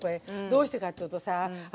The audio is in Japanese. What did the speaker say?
どうしてかっていうとさ